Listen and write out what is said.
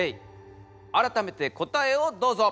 あらためて答えをどうぞ。